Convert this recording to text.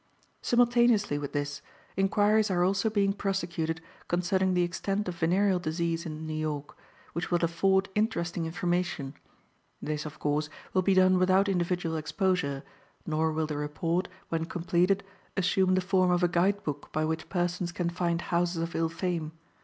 "Simultaneously with this, inquiries are also being prosecuted concerning the extent of venereal disease in New York, which will afford interesting information. This, of course, will be done without individual exposure, nor will the report, when completed, assume the form of a guide book by which persons can find houses of ill fame.